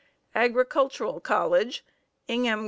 _ Agricultural College, Ingham Co.